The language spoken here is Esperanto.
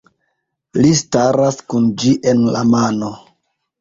Li staras kun ĝi en la mano.